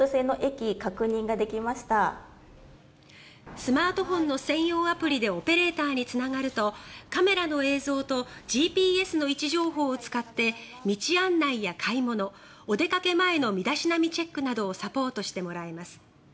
スマートフォンの専用アプリでオペレーターにつながるとカメラの映像とＧＰＳの位置情報を使って道案内や買い物お出かけ前の身だしなみチェックなどをサポートしてもらえます。